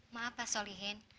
maaf pak solihin